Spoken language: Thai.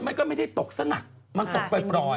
มันก็ไม่ได้ตกซะหนักมันตกปล่อย